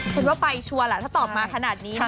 ฉันว่าไปชัวร์ล่ะถ้าตอบมาขนาดนี้นะ